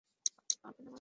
পারবে না মানে?